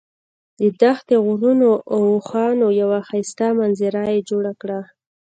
د دښتې، غرونو او اوښانو یوه ښایسته منظره یې جوړه کړه.